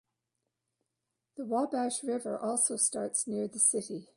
The Wabash River also starts near the city.